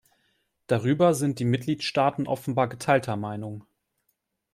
Darüber sind die Mitgliedstaaten offenbar geteilter Meinung.